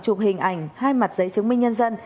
chụp hình ảnh hai mặt giấy chứng minh nhân dân